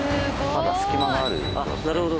まだ隙間がある状態。